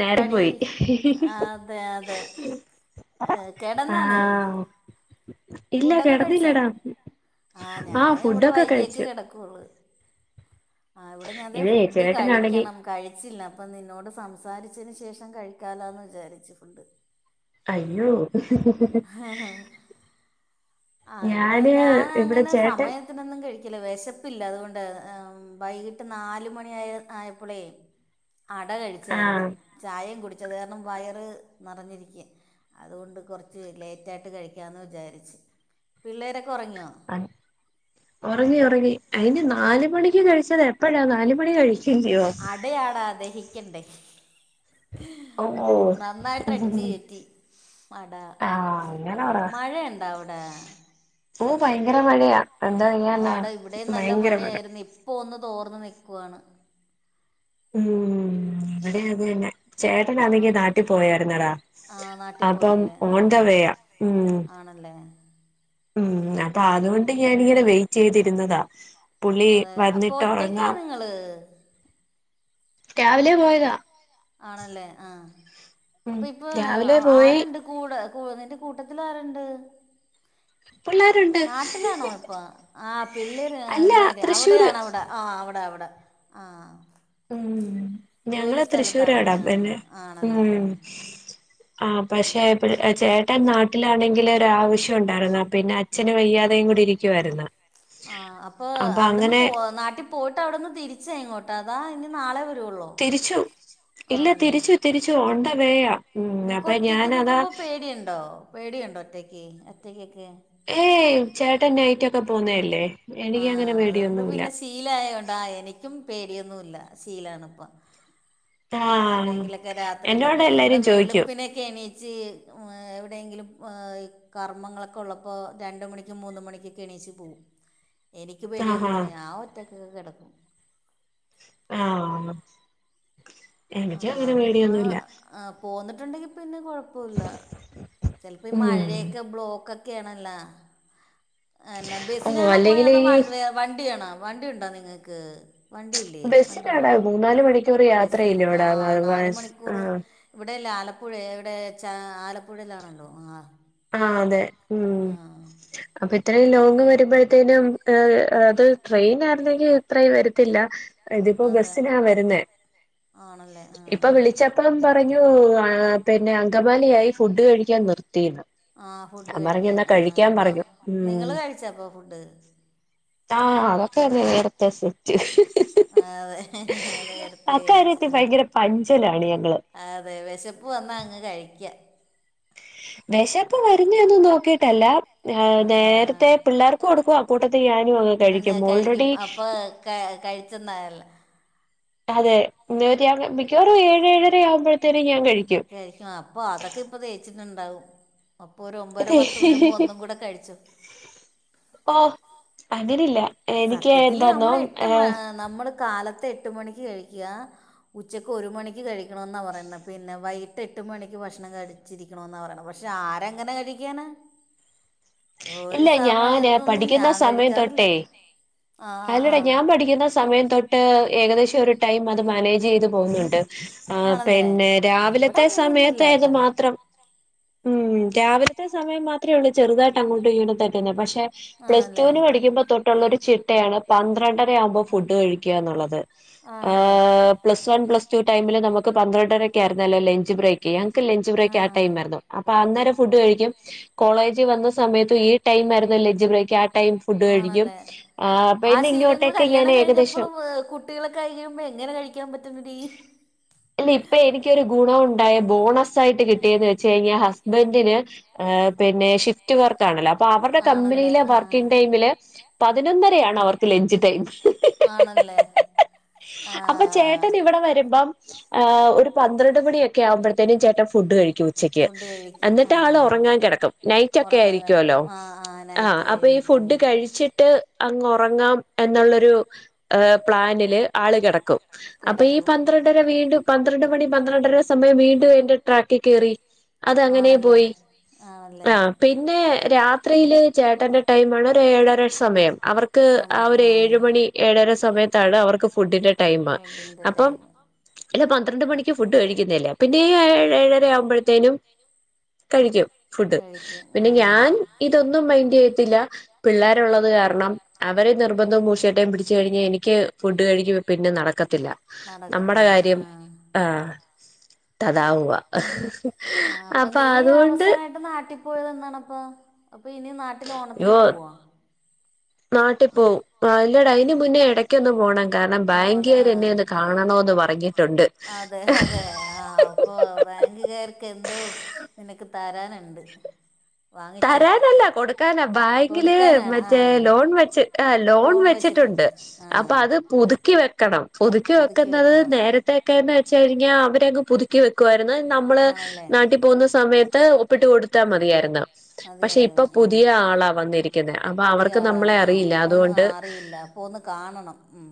നേരം പടി പോയി ആഹ് അതെ അതെ ഏ ആ കേടന്നാ നി ഇല്ല ഫുഡൊക്കെ കഴിച്ചാ കിടന്നില്ലടാ ആഹ് ആ ഞാന് ഇവടെ ഫുഡൊക്കെ വൈക്യക്കെ കഴിച്ചു കെടക്ക്‌ള്ളു ആഹ് വടെ ഞാ തേ ഇത് ഫുഡ് ചേട്ടനാണെങ്കി കഴിക്കണം കഴിച്ചില്ല അപ്പ നിന്നോട് സംസാരിച്ച ച്ചന് ശേഷം കഴിക്കാലാന്ന് വിചാരിച്ചിട്ട്ണ്ട് അയ്യോ ആഹ് വടെ ഞാന് ഇവിടെ ഞാനങ്ങനെ ചേട്ടൻ സമയത്തിനൊന്നും കഴി ക്കില്ല വെശപ്പില്ല അത് കൊണ്ട് വൈകിട്ട് നാല് മണി ആയ ആയപ്പളേ അട ആ കഴിച്ചായിര്ന്നു. ചായേം കുടി ച്ചത് കാരണം വയറ് നെർഞ്ഞിരിക്ക്യാ അത് കൊണ്ട് കൊർച്ച് ച്ച് ലേറ്റായ്ട്ട് കഴിക്കാന്ന് വിചാരിച്ചു പിള്ളേരെ ആഹ് ഉറങ്ങി ഉറങ്ങി അതിന് നാല് മണിക്ക് കഴിച്ചത് എപ്പളാ നാല് മണി കഴിക്കും ചെയ്യോ അടയാടാ ദഹിക്കണ്ടേ ഓ നന്നായിട്ടടിച്ച് കേറ്റി മട ആ അങ്ങനെ പറ മഴണ്ടവടെ ഓ ഭയങ്കര മഴയാ എന്താ ചെയ്യാനാ ആട ഇവടേം നല്ല ഭയങ്കര മഴ മഴയായിര്ന്നു. ഇപ്പൊ ഒന്ന് തോർന്ന് നിക്കുവാണ്. മ് ഇവടെ അതന്നെ ചേട്ടനാണെങ്കി നാട്ടിൽ പോയാര്ന്നെടാ ആഹ് നാട്ടി പോയല്ലേ ആഹ് ഉം ആണല്ലേ ഉം അപ്പ അത്കൊണ്ട് ഞാനിങ്ങനെ വെയ്റ്റ് ചെയ്തിര്ന്നതാ അതെ അപ്പ ഒറ്റക്കാ നിങ്ങള് രാവിലെ പോയതാ ആണല്ലേ ആഹ് ഉം അപ്പ ഇപ്പ രാവിലെ പോയി ആര്ണ്ട് കൂടെ പ്പൊ നിന്റെ കൂട്ടത്തിലാര്ണ്ട് പ്പല്ല നാട്ടിലാണോ ഇപ്പ ആഹ് പിള്ളേര് അല്ല പിള്ളേര് തൃശ്ശൂര് അവടെയാണവടെ ആഹ് അവടെ അവടെ ആഹ് മ് ഞങ്ങള് തൃശ്ശൂരാടാ സ്ഥലത്താണല്ലേ ആ പിന്നെ ആണല്ലേ ആ മ് ആഹ് പക്ഷെ പിള ചേട്ടൻ നാട്ടിലാണെങ്കില് ഒരാവശ്യണ്ടായിര്ന്നു പിന്നെ അച്ഛന് വയ്യാതെ കൂടി ഇരിക്കുവാര്ന്നു ആഹ് അപ്പൊ അവ്ട്ന്ന് പോ നാട്ടിൽ പോയിട്ട് അവിടെന്ന് തിരിച്ചങ്ങോട്ടെ അതാ ഇനി നാളെ വരുവുള്ളോ തിരിച്ചു ഇല്ല ആണല്ലേ തിരിച്ചു തിരിച്ചു ഉണ്ട വേയ നിനക്ക് ഒറ്റക്ക് നിക്ക്മ്പോ പേടിയുണ്ടോ പേടിയുണ്ടോ ഒറ്റക്ക് ഒറ്റക്കൊക്കെ ഏയ് ചേട്ടന്നൈറ്റൊക്കെ പോവുന്നല്ലേ ആഹ് അതോണ്ട് പിന്നെ ശീലായോണ്ട് ആഹ് എനിക്കും പേ ടി യൊന്നുല്ല ശീലാണ്പ്പ ആഹ് എന്നോട് എല്ലരും ചോയ്ക്കും എവിടേങ്കിലും കർമ്മങ്ങളൊക്കെ ഉള്ളപ്പോ രണ്ട് മണിക്കും മൂന് മണിക്കും ണി ച്ച് പൂവും. എനിക്ക് ആഹാ പേടിയൊന്നുല്ല ഞാ ഒറ്റക്കൊക്കെ കെടക്കും. ആഹ എനിക്ക് അങ്ങനെ മേടിയൊന്നുംല്ല പോന്നിട്ടുണ്ടെങ്കിൽ പിന്നെ കുഴപൊല്ലാ ചെൽപ്പോ ഈ ഉം മഴയൊക്കെ ബ്ലോക്ക്ക്കെ കാണല്ലെ ഓഹ് ബെസിനണ പോയത് അല്ലെങ്കില് അതോ ഈ വൺവേ വണ്ടിയണ വണ്ടി ഉണ്ടോ നിങ്ങൾക്ക്? ബസ്സിനാടാ മൂന്നാല് മണിക്കൂർ ബസ്സിന് യാത്രല്ല വിടാത് ആ ഇവിടെല്ല ആലപ്പുഴ ഇവിടെ ച്ചാ ആലപ്പുഴയിലാണല്ലോ ആ ആ അതെ ഉം അപ്പൊ ഇത്രയും ലോങ് വരുമ്പോഴത്തേനും അഹ് അത് ട്രെയിൻ ആരുന്നെങ്കിൽ ഇത്രയും വരത്തില്ല ല്ല ഇതിപ്പോൊ ആ അതെ ബസിനാ വരുന്നേ ആണല്ലേ ഇപ്പൊ ആ വിളിച്ചപ്പം പറഞ്ഞുഅ ആ പിന്നെ അങ്കമാലയായി ഫുഡ് കഴിക്കാൻ നിർത്തിന്ന് ആ ഫുഡ് ഞാൻ പറഞ്ഞു കഴിക്കാൻ എന്നാ ആ കഴിക്കാൻ അപ്പ പറഞ്ഞു ഉം നിങ്ങള് കഴിച്ചാപ്പൊ ഫുഡ്? ആഹ് അതോക്കെങ്ങനെ നിർത്ത സെറ്റ് ആ അതെ നേരത്ത കഴിച്ചു അക്കാര്യത്തിൽ ഭയങ്കര പഞ്ചലാണ് ഞങ്ങള് അതെ വിശപ്പ് വന്നാ അങ്ങ് കഴിക്യാ വെശപ്‌ വരുന്നെന്നും നോക്കിട്ടല്ല അഹ് ആ ആ നേരത്തെ പിള്ളേർക്കും കൊടുക്കുവ ആകൂട്ടത്തിൽ ഞൻ അന്ന കഴിക്കും അപ്പൊ ക കഴിച്ചന്നയല്ലോ അതെ [unintelligible] മിക്കവാറൂം ഏഴ് ഏഴര ആവുമ്പോഴത്തേനും ഞാൻ കഴി ഏഹ് രിക്കും അപ്പൊ അതൊക്കെ ഇപ്പ ദെയിച്ചിട്ട് ണ്ടാവും അപ്പൊ രു ഒമ്പര അതെ പത്ത് മണിയാകുമ്പോ ഒന്നും കൂടെ കഴിച്ചു? അങ്ങനല്യാ എനിക്ക് നമ്മൾ എന്താന്നോ എട്ട് ഏ നമ്മൾ കാലത്ത് എട്ട് മണിക്ക് കഴിക്യാ ഉച്ചക്ക് ഒരു മണിക്ക് കഴിക്കണംന്നാ പറയ്ന്നെ പിന്നെ വൈകിട്ട് എട്ട് മണിക്ക് ഭക്ഷണം കഴിച്ചിരിക്കണോന്നാ പറയ്ണെ പക്ഷെ ആരെങ്ങനെ കഴിക്കാനാ ഒരു ഇല്ല ഞാന് സമയത്തൊന്നും പഠിക്കുന്ന ഞാൻ സമയം കഴിക്കാറില്ല തൊട്ടേ ആ ആ അല്ലടാ ഞാൻ ആ. പഠിക്കുന്ന സമയം തൊട്ട് ഏകദേശം ഒരു ടൈം അത് മാനേജ് ചെയ്ത് പോകുന്നുണ്ട്. ആ ആണല്ലേ പെന്നെ ഇവിടെ രാവിലത്തെ അങ്ങനെയൊന്നും ഇല്ല സമയതായത് കേട്ടാ മാത്രം. ഉം രാവിലത്തെ സമയം മാത്രേള്ളൂ ചെറുതായിട്ട് അങ്ങോട്ടുംഈടാതന്നെ പക്ഷ പക്ഷെ പ്ലസ് ടു ആണല്ലേ വിന് പഠിക്കുമ്പോൾ തൊട്ടുള്ള ഒരു ചിട്ടയാണ് പന്ത്രണ്ടര ആവുമ്പോ ഫുഡ് കഴിക്യാന്നുള്ളത് ആണല്ലേ ആഹ് പ്ലസ് വൺ പ്ലസ് ടു ടൈമില് നമുക്ക് പന്ത്രണ്ടരൊക്കെ ആയിുന്ന അല്ലേ ലെഞ്ച് ബ്രേകിന്ന് ക്ക് ലഞ്ച് ബ്രേക്ക് ആ ടൈ ആരുന്നു അപ്പോ അന്നേരം ഫുഡ് കഴിക്കും കോളേജ് വന്നസ് സമയ ഈ ടൈ ആരുന്നു ലഞ്ച്ബ്രേക്ക് ആഹ് ടൈം ഫുഡ്‌ കഴിക്കും ആണല്ലേ പിന്നെയെ ന്നെ ഇങ്ങോട്ടേക്കെങേനെ കഴിഞ്ഞപെളും കുട്ടികളൊക്കെ ക കഴിയുമ്പോ എങ്ങനെ കഴിക്കാൻ പറ്റുന്നെടി? ഇല്ല ഇപ്പൊ എനിക്കൊരു ഗുണ ഉണ്ടായ ബോണസായിട്ട് കിട്ടിയെന്ന് വെച്ച് കഴിഞ്ഞാ ഹസ്ബന്റിന് പിന്നെ ഷിഫ്റ്റ് വർക്ക് ആണല്ലോ അ അപ്പ അവരുടെ ആണല്ലേ കമ്പനിയിലെ ആഹ് വർക്കിങ് ടൈമില് പതിനൊന്നര ആണ് അവർക്ക് ലഞ്ച് ടൈം. അ ല്ലേ അപ്പൊ ചേട്ടൻ ഇവിടെ വരുമ്പം ആഹ് ഒരു പന്ത്രണ്ട് മണിയൊക്കെ ആവുമ്പോഴതേനും ചേട്ടൻ ഫുഡ് കഴിക്കും കു ഉച്ചക്ക് ഫുഡ് കഴിക്കും എന്നിട്ട് ആൾ ആണല്ലേ ഒറങ്ങാൻ കിടക്കും നൈറ്റൊക്കെ ഉറങ്ങാൻ ആയിരിക്കല്ലോ കിടക്കും ആ ആ നൈറ്റ് ആഹ് അപ്പോഈ കഴിഞ്ഞിട്ട് ഫുഡ് വന്നിട്ട് കഴിച്ചിട്ട് അങ്ങ് ഒറങ്ങാം എന്നുള്ളൊരു പ്ലാനില് ആള് കിടക്കും. അപ്പൊ ഈ കിടക്കും പന്ത്രണ്ടര വീണ്ടും പന്ത്രണ്ട് മണി പന്ത്രണ്ടര സമയം വീണ്ടും എന്റെ ട്രാക്കിൽ കയറി. അതങ്ങനെ ആണല്ലേ പോയി ആണല്ലേ ആ പിന്നെ രാത് രാ ത്രിൽ ചേട്ടന്റെ ടൈം ആണ് ഒര് ഏഴര സമയം അവർക്ക് ആ ഒരു ഏഴു മണി ഏഴര സമയത്താണ് അവർക്ക് ഫുഡിന്റെ ടൈം ടൈം ഫുഡിൻ്റെ അപ്പൊ ടൈം ഇത്‌ പന്ത്രണ്ട് മണിക്ക് ഫുഡ് കഴിക്കുന്നില്ലേ പിന്നെ ഈ ഏ ഏഴര ആവുമ്പോഴത്തേനും കഴിക്കും. ഫുഡ് കഴിക്കും പിന്നെ ആ ഞാൻ ഇതൊന്നും മൈൻഡ് ചെയ്യ തില്ല പിള്ളേരുള്ളത് കാരണം അവരെ നിർബന്ധം മൂശേട്ടം പിടിച്ച് കഴിഞ്ഞ എനിക്ക്ഫുഡ്‌ ഫുഡ്‌ കഴിക്കുമ്പോപിന്നെ നടക്കത്തില്ല നമ്മടെ കാര്യം ആ തതാഹുവാ അപ്പൊ അതുകൊണ്ട് എപ്പോഴതണപ്പം അപ്പ ഇനി നാട്ടില് ഓണത്തിന് യ്യോ പോവോ നാട്ടിൽ പോവുംആ അല്ലട അയിന് മുന്നേ ഇടയ്ക്കൊന്ന് പോണ കാരണം പോണോല്ലേ ആ ബാങ്ക്കാർ എന്നെ ഒന്ന് കാണണോന്ന് പറഞ്ഞിട്ടുണ്ട് ബാങ്ക്കാർക്ക് എന്തോ നിനക്ക് തരാനുണ്ട് വാങ്ങിച്ചോ തരാനല്ല കൊടുക്കാന ബാങ്കില് കൊടുക്കാനാ വായ്പ കൊടുക്കാനാണ് ആ മറ്റേ ലോൺ വെച്ച് ലോൺ വെച്ചിട്ടുണ്ട് അപ്പ അത് പുതുകി പുതുക്ക വെക്കണം പുതുക്കി പുതുക്കി പുതുക്കി വെക്കണം പുതുക്കി വെക്കുന്നത് നേരത്തക്കെ ന്ന് വെച്ചഴിഞ്ഞാൽ അവരങ്ങ് പുതുക്കി വെക്കുവായി ന്നാൽ നമ്മള് ആണല്ലേ നാട്ടിൽ പോവുന്ന സമയത്ത് ഒപ്പിട്ട് കൊടുത്താൽ മതിയായിരുന്നു പക്ഷെ ഇപ്പൊ അതെയായിരുന്നു ഉം പുതിയ ആളാ വന്നിരിക്കുന്നേ അപ്പൊ പുതിയ അവർക്ക് നമ്മളെ അറിയില്ല അതുകൊണ്ട് അപ്പോന്ന് കാണണം ഉം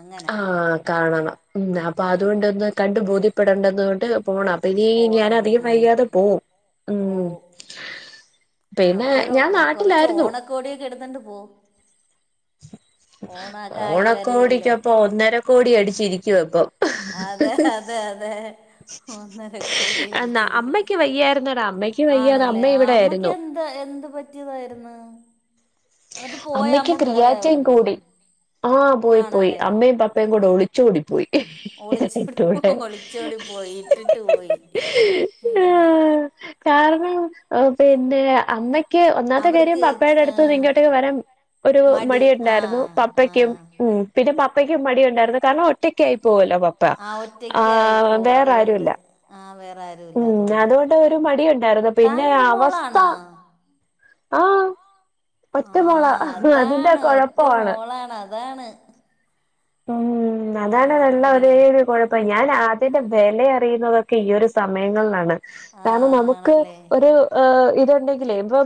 അങ്ങനെ ആഹ കാണണം ഉം അപ്പൊ അതോണ്ട് ഒന്ന് കണ്ട് ബോധ്യപ്പെടണ്ടതുകൊണ്ട് പോണം അപ്പ ഇനി ഞാൻ പോണല്ലേ അധികം ആ വൈകാതെ പോവും ഉം പോവും ആ പിന്നെ അപ്പോ ഒര് ഞാൻ കൊറച്ച് നാട്ടിലായിരുന്നു ഓണക്കോടിയൊക്കെ എട്തോണ്ട് പോ വരികയല്ലേ ഓണക്കോടിക്കൊപ്പം ഒന്നര കോടി അടിച്ചിരിക്കുവ ഇപ്പമം അതെ അതെ അതെ ഒന്നര കോടി അന്നാ അടിച്ചിരിക്കുന്നു അമ്മയ്ക്ക് വയ്യായിരുന്നടാ അമ്മയ്ക്ക് വയ്യാതെ ആണല്ലേ അമ്മ ആ അമ്മക്ക് അമ്മക്ക് ഇവിടെയായിരുന്നു എന്താ എന്ത് പറ്റിയതായിരുന്നു എന്നട്ട് പോയ അമ്മ പോയ അവിടന്ന് ആഹ പോയി പോയി അമ്മയും പപ്പയും കൂടെ ഒളിച്ചോടി പോയി ഒളിച്ചോടി പോ രണ്ടൂടെ ഒളിച്ചോടി പോയി ഇട്ടിട്ട് പോയി [unintelligible] ആഹ് കാരണം പിന്നെ അമ്മയ്ക്ക് ഒന്നാമ ത്തെ കാര്യം അവർക്ക് പപ്പയുടെ അടുത്ത് ഏഹ് നിങ്ങ വരം ഒരു മടി ഉണ്ടായിരുന്നു ആഹ് പപ്പക്കും ആഹ് ഉം പിന്നെ പപ്പ പപ്പക്കും മടി ഉണ്ടായിരുന്നു കാരണം ഒറ്റക്കായി പോവുല പപ്പ ആ ആ ഒറ്റക്കായി പോവും അതുകൊണ്ട് വേറാരുല്ല ആ വേറെ ആരുല്ല ഉം അതുകൊണ്ട് അതോണ്ടൊരു മടിയുണ്ടായിരുന്നു പിന്നെ താനൊരു അവസ്ഥ മോളാണോ ആ ആ ഒറ്റമോള അതിന്റെ അതാണ് ഒറ്റ കൊഴപ്പാണ് മോളാണ് അതാണ് ഉം അതാണ് നല്ല ഒരേ ആണല്ലേ ഒരു കൊഴപ്പം ഞാൻ അതിന്റെ വെലയറിയുന്നതൊക്കെ ഈ ഒരു സമയങ്ങളിലാണ് കാരണം നമുക്ക് ആണല്ലേ ഒരു ണ്ടെങ്കിലെ ഇപ്പ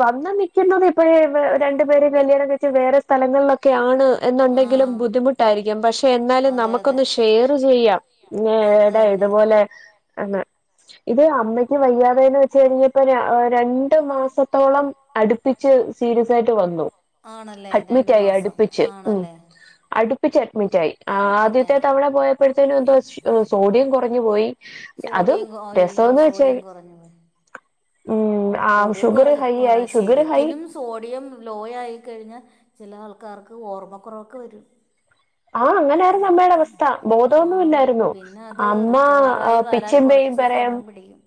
വന്ന് നിൽപ്പുണ്ടോന്ന് ഇപ്പയെ രണ്ട് പേര് കല്യാണം കഴിച്ച് വേറെ സ്ഥല ങ്ങളിലൊക്കെയാണ് എന്നുണ്ടെങ്കിൽ എങ്കിലും ആഹ് ബുദ്ധിമുട്ടായിരിക്കും പക്ഷെ എന്നാലും അതെ അതെ നമക്കൊന്ന് ഷെയർ ചെയ്യാം അത് ഏടെ തന്നെ എടപോലെ എന്ന് ഇത് അമ്മയ്ക്ക് വയ്യാതേന്ന് വെച്ച് കഴിഞ്ഞപ്പോ രണ്ടു മാസത്തോളം അടുപ്പിച്ച് സീരിയസായിട്ട് വന്നു ആണല്ലേ രണ്ടു അഡ്മിറ്റ് ആയി മാസം അടുപ്പിച്ച് ഉം ആണല്ലേ അടുപ്പിച്ച് മിറ്റായി ആദ്യത്തെ അഡ്മിറ്റായി തവണ പോയപ്പോഴത്തേനും എന്തോ സോഡിയം കൊറഞ്ഞു പോയി അതും സോഡിയം അയ്യോ രസംന്ന് വെച്ച സോഡിയം കൊറഞ്ഞു പോയി ഉം ആ സോഡിയം ഷുഗർ കൊറഞ്ഞ് ഹൈ ആയി ഷുഗർ ഹൈ ശരിക്ക്നും സോഡിയം ലോ ആയി കഴിഞ്ഞൽ ചെല ആൾക്കാർക്ക് ഓർമ്മക്കുറവൊക്കെ വരും ആഹ അങ്ങനൊയിരുന്നു അമ്മയുടെ അവസ്ഥ ആഹ് ബോധൊന്നുല്ലായിരുന്നു പിന്നെ അത് അമ്മ റിക്കവറായി വരാൻ പിച്ചിം പെയും കുറച്ച് സമയം പിടിക്കും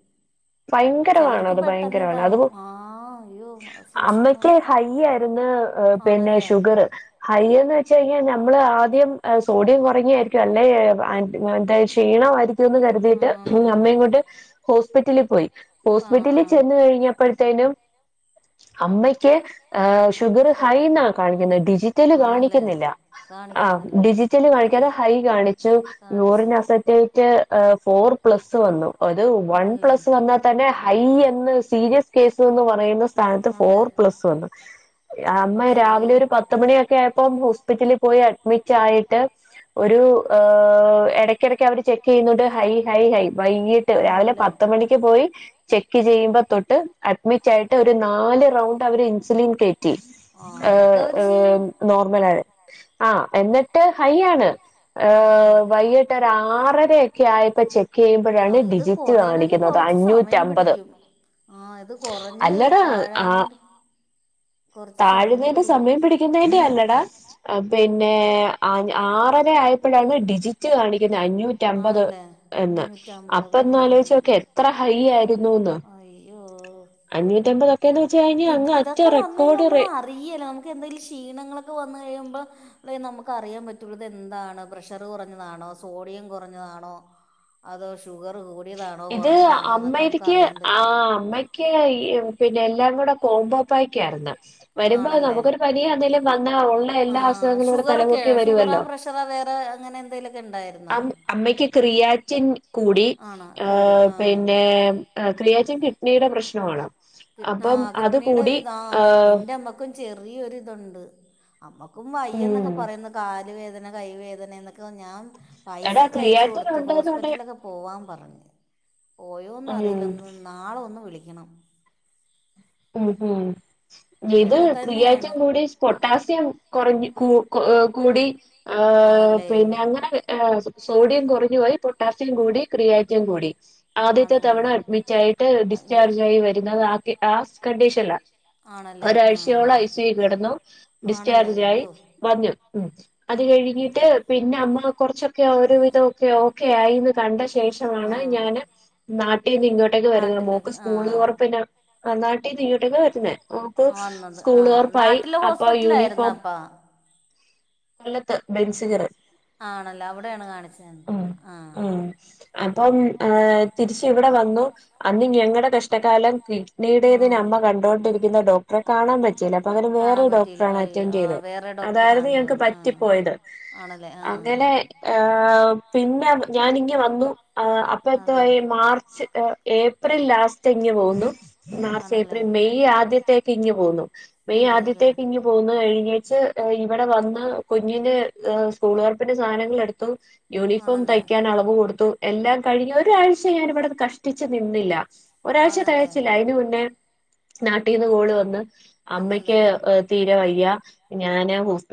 ചിലർക്ക് ഭയങ്കരമാണത് പെട്ടെന്ന് ഭയങ്കരമാണത് ഇതാവും അതു ആഹ് അയ്യോ സൂക്ഷിക്കണം അമ്മക്ക് ഹൈ ആയിരുന്നു [unintelligible] പിന്നെ ആണല്ലേ ഷുഗർ ഹൈ ചെയ്യാ നമ്മള് ആദ്യം ഏഹ് സോഡിയം കുറഞായിരിക്കല്ലെ [unintelligible] ക്ഷീണ ന്ന് കരുതിയിട്ട് [unintelligible] ആണല്ലേ അമ്മയും കൊണ്ട് ഹോസ്പിറ്റലിൽ പോയി ആഹ് ഹോസ്പിറ്റലിൽ ആഹ് ചെന്ന്കഴിഞ്ഞപ്പോഴ്ത്തേനും അമ്മയ്ക്ക് ഏഹ്ഹ് ഷുഗർ ഹൈ ന്നാ കാണിക്കുന്നത് ഡിജിറ്റല് ആണല്ലേ കാണിക്കുന്നില്ല ആ കാണിക്കുന്നില്ല ഡിജിറ്റല് കാണിക്കത ഹൈ കാണി ക്ഷേ കാണിച്ച് യൂറിൻ അസറ്റേയിറ്റ് ഫോർ പ്ലസ്സ് വന്നു. അത് വൺ ആണല്ലേ പ്ലസ് വന്നാൽ തന്നെ ഹൈയെന്ന് സീരിയസ് കേസ് എന്ന് പറയുന്ന സ്ഥാനത്ത് അതെ ഫോർ പ്ലസ് വന്ന്. അമ്മ അശ്ശോ രാവിലെ ഒരു പത്തുമണിയൊക്കെ ആയപ്പോം ഹോസ്പിറ്റലിൽ പോയ അ [unintelligible] ആായിട്ട് ഒരു ഏഹ് ഇടക്കിടക്ക് അവര് ചെ ചെയ്യുന്നുണ്ട് ഹൈ ഹൈ ഹൈ വൈകിട്ട് രാവിലെ ആണല്ലേ പത്തുമണിക്ക് പോയി ചെക്ക് ചെയ്യുമ്പോ തൊട്ട് അഡ്മിറ്റായിട്ട് ഒരു നാല് റൗണ്ട് അവര് ഇൻസുലിൻ കയറ്റി ആഹ് അതൊക്കെ ഏഹ് അവര് ചെയ്യും ആഹ്... നോർമലായി ആ.... എന്നിട്ട് ഹൈ ആണ്. ഏ ആണല്ലേ വൈകിട്ടോരാറരക്കെ ആയപ്പോ ചെക്കെയ്യുമ്പോഴാണ് ഡിജിറ്റ് കാണിക്കുന്നത് കൊറച്ച് സമയം അഞ്ഞൂറ്റമ്പത് പിടിക്കും ആ ഇത് കൊറഞ് അല്ലടാ താഴാൻ വേണ്ടി കുറച്ച് സമയം താഴ്ന്നേയിന്റെ പിടിക്കും സമയം പിടിക്കുന്നയിന്റെ അല്ലടാ ആ പിന്നെ അഞ് ആറര ആയപ്പോഴാണ് ഡിജിറ്റ് കാണ അഞ്ഞൂറ്റുമ്പത് ആണല്ലേ എന്ന് അഞ്ഞൂറ്റമ്പത് ആ അപ്പന്നലോയിച്ചു നോക്ക് എത്ര ഹൈ ആയിരുന്നുന്ന്. അയ്യോ അഞ്ഞൂറ്റമ്പതൊക്കെന്ന് വെച്ച്ഴിഞ്ഞാ അങ് അറ്റ [unintelligible] റെക്കോർഡ് നമ്മള് നമുക്കെന്തേലും ക്ഷീണങ്ങളൊക്കെ വന്ന കഴിയുമ്പോ വ നമുക്ക് അറിയാൻ പറ്റുള്ള ഇതെന്താണ് പ്രഷർ കുറ ഞ്ഞതാണോ സോഡിയം കുറഞ്ഞതാണോ അതോ ഷുഗർ കു ഇത് അമ്മര്ക്ക് ആ പറ്റും അമ്മക്ക് ഏയിമ്... പിന്നെ എല്ലാം കൂടെ കോമ്പോപ്പായ്ക്കായിരുന്നു വരുമ്പോ ആണല്ലേ നമുക്കൊരു പനിയൊന്തെകിലും വന്നാ ഉള്ള ആ എല്ലാ അസുഖങ്ങളുടെ ഷുഗറൊക്കെ [unintelligible] ഷുഗറാ വരുവല്ലോ പ്രഷറാ വേറെ അങ്ങനെ എന്തെങ്കിലുമൊക്കെ ഉണ്ടായിരുന്നോ അം അമ്മക്ക് ക്രിയാറ്റിൻ കൂടി ആണോ കൂടി ഏഹ്... പിന്നെ ആ അഹ് ക്രിയാറ്റിൻ കിഡ്നീടെ പ്രശ്നമാണോ ആ കിഡ്നിയുടെ ഒരിതാ ഏഹ് എൻ്റെ അമ്മക്കും ചെറിയൊര് ഇത്ണ്ട് അമ്മക്കും ഉം വയ്യന്നൊക്കെ പറയുന്നു കാല് വേദന കൈ വേദന എന്നൊക്കെ ഞാൻ എടാ പൈസയൊക്കെ അയച്ച് ക്രിയാറ്റിൻ കൊടുത്ത് ഉണ്ടെന്നുണ്ടെ ഹോസ്പിറ്റലിലൊക്കെ പോവാൻ പറഞ്ഞു ഉം പോയോന്നറിയില്ലന്ന് നാളെ ഒന്ന് വിളിക്കണം. ഉമ് മ്മ് ഇത് ഇതൊക്കെ ക്രിയാറ്റിൻ തന്നെയാണ് കൂടി പൊട്ടാസ്യം കുറഞ്ഞു കൂ ക് കൂടി ആഹാ ആണല്ലേ പിന്നെ അങ്ങനെ ഏഹ് സോഡിയം കുറഞ്ഞ് പോയി പൊട്ടാസ്യം കൂടി ക്രിയാറ്റിൻ കൂടി ആദ്യത്തെ ആണല്ലേ തവണ അഡ്മിറ്റായിട്ട് അഡ്മിറ്റ് ഡിസ്ചാർജ് ആയി വരുന്നത് ആക് ആ കണ്ടീഷൻലാ ആണല്ലേ ആ ഒരാഴ്ചയോളം ഐ സി യു കിടന്നു ആണല്ലേ ഡിസ്ചാർജായി അയ്യോ വന്നു മ് അത് കഴിഞ്ഞിട്ട് പിന്നെ അമ്മ കുറച്ചൊക്കെ ഒരുവിധൊക്കെ ഓക്കെ ആയിന്ന് കണ്ട ശേ ശേഷമാണ് ഞാന് നാട്ടിൽന്നിങ്ങോട്ടേക്ക് വരുന്നത് മോക്ക് നാട്ടിലേക്ക് സ്കൂള്തുറപ്പിന്റ നാട്ടിന്നിങ്ങോട്ടേക്ക് വര്ന്നെ ഓക്ക് ആ വന്നത് ആ സ്കൂൾ തുറപ്പായി നാട്ടിലെ അപ്പൊ ഹോസ്പിറ്റലായിരുന്ന യൂണിഫോം അപ്പ കൊല്ലത്ത് ബെൻസികർ ആണല്ലോ അവിടെയാണ് ഉം കാണിചോണ്ടിർന്നത് ഉം അപ്പം ആഹ് തിരിച്ച് ഇവിടെ വന്നു അന്ന് ഞങ്ങളുടെ കഷ്ടകാലംതി ആഹ് [unintelligible] അമ്മ കണ്ടോണ്ടിരിക്കുന്ന ഡോക്ടറെ കാണാൻ പറ്റി തെല്ക്കാലം വേറെ കാണാൻ പറ്റിയില്ല ഡോക്ടറാണ് ആയി അറ്റൻഡ്യ്തത് ആഹ് വേറെ ഡോക്ടറെ അതായിരുന്നു കാണേണ്ടി ഞങ്ങക്ക് വന്നു ആഹ് പറ്റിപ്പോയത് ആണല്ലേ ആഹ് അങ്ങനെ അ് മ്മ് പിന്നെ ഞാനിങ്ങു വന്നു ആഹ് അതെ അപ്പോന്തോയി മാർച്ച് ഏഹ്. ഏ പ്രിൽ ലാസ്റ്റ് ഇങ് പോന്നു മാർച്ച് ആണല്ലേ ഏപ്രിൽ മെയ് ആദ്യത്തേക്കിങ്ങു പോന്നു മെയ് അതെ അതെ ആദ്യത്തേക്ക് ഇനി പോകുന്ന കഴിഞ്ഞ് ച്ച്ഇവിടെ വന്ന് കുഞ്ഞിന്റെ സ്കൂളുതുറപ്പിന്റെ സാധനങ്ങൾ എടുത്തു യൂണിഫോം ആണല്ലേ തയ്ക്കാൻ അളവ് കൊടുത്തു എല്ലാം കഴിഞ്ഞ് ഒരാഴ്ച്ച ഞാനിവിടെത് കഷ്ടിച്ച് നിന്നില്ല ഒരാഴ്ച്ച ആന്നല്ലേ തികച്ചില്ല അതിന് മുന്നേ നാട്ടീന്ന് കോള് വന്ന് ആന്നല്ലേ അമ്മയ്ക്ക് തീരെ വയ്യ ഞാന് ഹോപിറ്റ